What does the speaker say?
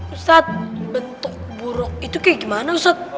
ustadz bentuk buruk itu kayak gimana ustadz